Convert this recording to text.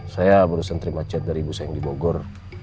saya baru sentri macet dari ibu sayang di bogor